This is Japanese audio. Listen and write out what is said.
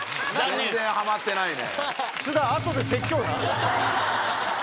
全然はまってないね。